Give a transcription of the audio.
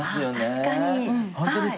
確かに。